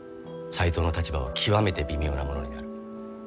斎藤の立場は極めて微妙なものになる。